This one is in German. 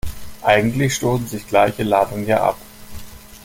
Eigentlich stoßen sich gleiche Ladungen ja ab.